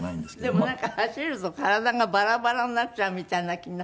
でもなんか走ると体がバラバラになっちゃうみたいな気に。